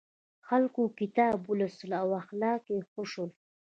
خلکو کتاب ولوست او اخلاق یې ښه شول.